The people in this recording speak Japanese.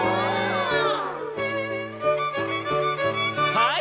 はい！